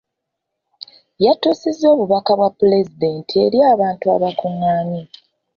Yatuusizza obubaka bwa pulezidenti eri abantu abakungaanye.